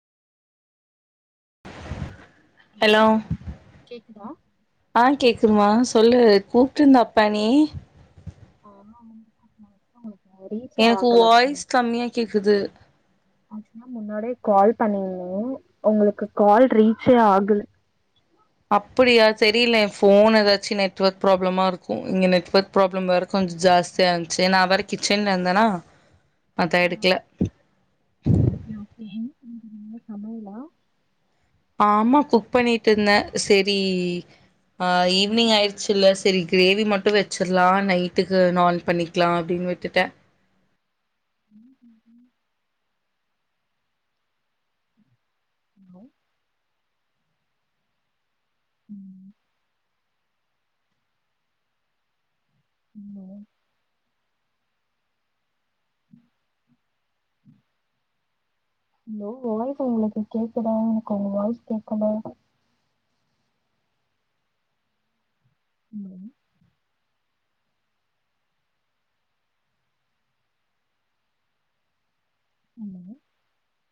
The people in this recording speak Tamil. ஹலோ கேக்குதா அ கேக்குதுமா சொல்லு கூப்ட்ருந்த அப்பா நீ ஆமா [inaudible] எனக்கு வாய்ஸ் கம்மியா கேக்குது ஆக்சுவலா முன்னாடியே கால் [inaudible] உங்களுக்கு கால் ரீச்சே ஆகுல. அப்புடியா செரியில்ல எ ஃபோன் எதாச்சு நெட்வொர்க் ப்ராப்ளமா இருக்கு இங்க நெட்வொர்க் ப்ராப்ளம் வேற கொஞ்சோ ஜாஸ்தியா இருந்துச்சு நா வேற கிச்சன்ல இருந்தனா அத எடுக்கல ஓகே ஓகே [inaudible] சமையலா ஆமா குக் பண்ணீட்ருந்த. செரி ஆ ஈவி்னிங் ஆயிருச்சுல்ல செரி கிரேவி மட்டு வெச்சிர்லா நைட்டுக்கு நாண் பண்ணிக் கலா அப்டின்னு விட்டுட்ட [inaudible] ஹலோ ம் [inaudible] ஹலோ வாய்ஸ் உங்களுக்கு கேக்குதா எனக்கு உங்க வாய்ஸ் கேக்கல [inaudible] ஹலோ